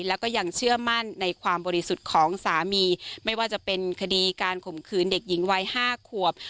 แล้วก็ยังเชื่อมั่นในความบริสุทธิ์ของสามีไม่ว่าจะเป็นคดีการข่มขืนเด็กหญิงวัย๕ขวบ